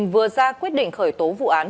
vừa ra quyết định khởi tố vụ án